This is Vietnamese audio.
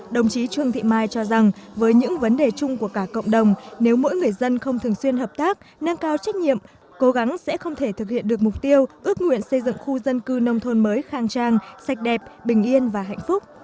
đồng chí trương thị mai cho rằng với những vấn đề chung của cả cộng đồng nếu mỗi người dân không thường xuyên hợp tác nâng cao trách nhiệm cố gắng sẽ không thể thực hiện được mục tiêu ước nguyện xây dựng khu dân cư nông thôn mới khang trang sạch đẹp bình yên và hạnh phúc